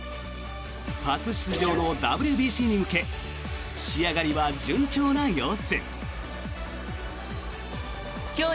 初出場のＷＢＣに向け仕上がりは順調な様子。